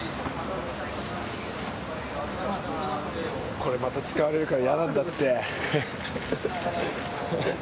これまた使われるからいやなんだって。